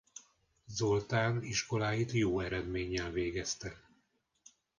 Zoltán iskoláit jó eredménnyel végezte.